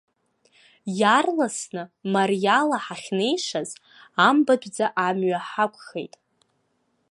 Иаарласны мариала ҳахьнеишаз, амбатәӡа амҩа ҳақәхеит!